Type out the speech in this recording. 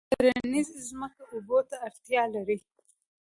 کرنیزې ځمکې اوبو ته اړتیا لري.